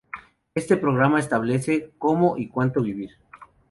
Este programa establece cómo y cuánto vivir.